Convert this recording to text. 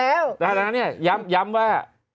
แล้วทางนั้นเนี่ยย้ำว่า